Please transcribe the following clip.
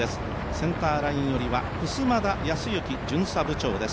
センターライン寄りは襖田康之巡査部長です。